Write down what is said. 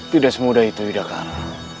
tidak semudah itu yudhakara